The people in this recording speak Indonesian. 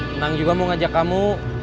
tenang juga mau ajak kamu